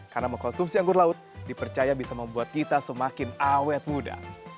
karena mengkonsumsi anggur laut dipercaya bisa membuat kita semakin awet muda